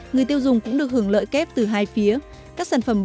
người tiêu dùng cũng được hưởng lợi kép từ hai phía